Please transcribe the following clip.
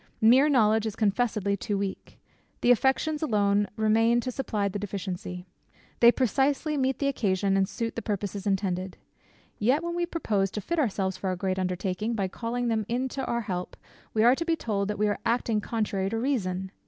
Mere knowledge is confessedly too weak. The affections alone remain to supply the deficiency. They precisely meet the occasion, and suit the purposes intended. Yet, when we propose to fit ourselves for our great undertaking, by calling them in to our help, we are to be told that we are acting contrary to reason.